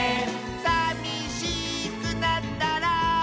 「さみしくなったら」